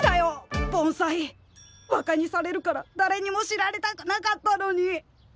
バカにされるからだれにも知られたくなかったのに。